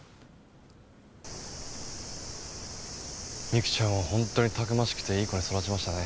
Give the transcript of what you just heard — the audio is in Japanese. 未玖ちゃんは本当にたくましくていい子に育ちましたね。